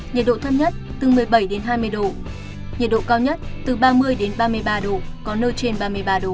nhiệt độ thấp nhất từ một mươi bảy đến hai mươi độ nhiệt độ cao nhất từ ba mươi ba mươi ba độ có nơi trên ba mươi ba độ